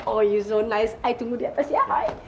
oh you so nice saya tunggu di atas ya